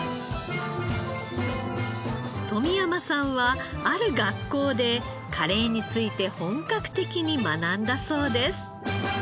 富山さんはある学校でカレーについて本格的に学んだそうです。